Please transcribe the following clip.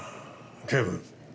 警部。